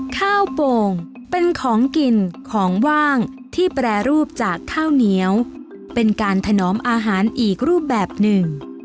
โป่งเป็นของกินของว่างที่แปรรูปจากข้าวเหนียวเป็นการถนอมอาหารอีกรูปแบบหนึ่ง